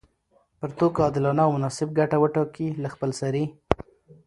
پر توکو عادلانه او مناسب ګټه وټاکي له خپلسري